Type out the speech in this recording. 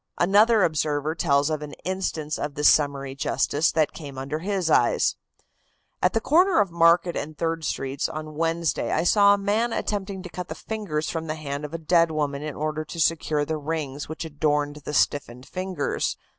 Another observer tells of an instance of this summary justice that came under his eyes: "At the corner of Market and Third Streets on Wednesday I saw a man attempting to cut the fingers from the hand of a dead woman in order to secure the rings which adorned the stiffened fingers.